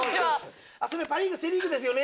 「パ・リーグとセ・リーグですよね」